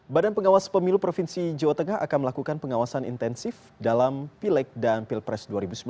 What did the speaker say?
badan pengawas pemilu provinsi jawa tengah akan melakukan pengawasan intensif dalam pileg dan pilpres dua ribu sembilan belas